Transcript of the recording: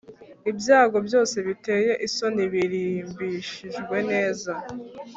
ibyago byose biteye isoni, birimbishijwe neza